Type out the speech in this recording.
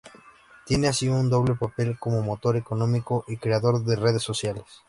Tiene así un doble papel, como motor económico y creador de redes sociales.